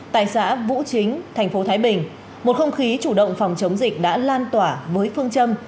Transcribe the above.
tại xã vũ chính thành phố thái bình một không khí chủ động phòng chống dịch đã lan tỏa với phương châm